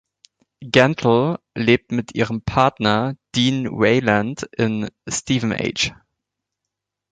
Gentle lebt mit ihrem Partner Dean Wayland in Stevenage.